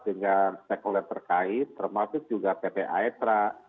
dengan spekulasi terkait termasuk juga pp aetra